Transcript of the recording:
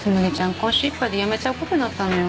今週いっぱいで辞めちゃうことになったのよ。